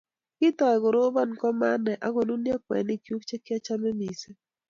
Kitou koroban kumanai akonunio kweinik chuk che kiachome mising